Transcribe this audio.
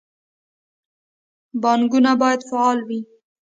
بانکونه باید فعال وي